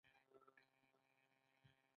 دا پېښه د دولس سوه نوي شاوخوا وه.